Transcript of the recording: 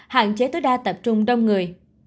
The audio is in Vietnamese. hạn chế tối đa tập trung đông người